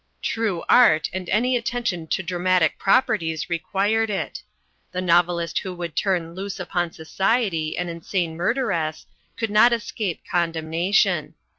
True art and any attention to dramatic proprieties required it. The novelist who would turn loose upon society an insane murderess could not escape condemnation.